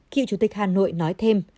kiệu chủ tịch hà nội nói thêm